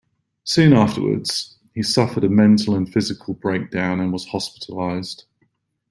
Soon afterwards, he suffered a mental and physical breakdown and was hospitalized.